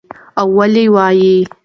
او ولې وايى